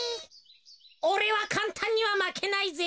おれはかんたんにはまけないぜ。